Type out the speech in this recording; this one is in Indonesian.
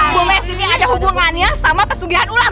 bu messi ada hubungannya sama pesulian ular